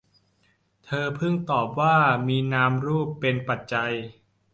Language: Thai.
เธอพึงตอบว่า มีนามรูป เป็นปัจจัย